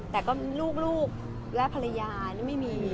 แต่ก็ลูกและภรรยานี่ไม่มี